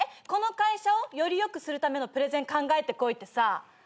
この会社をよりよくするためのプレゼン考えてこいってさ